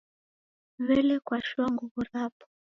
W'ele kwashoa nguw'o rapo?